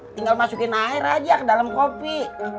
tinggal masukin air aja ke dalam kopi